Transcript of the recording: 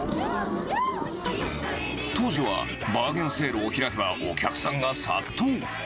当時は、バーゲンセールを開けばお客さんが殺到。